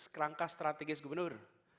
kerangka strategis gubernur